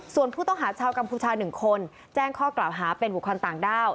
ส่วนผู้ต้องหาชาวกัมพูชา๑คนแจ้งข้อกล่าวหาเป็นบุคคลต่างด้าว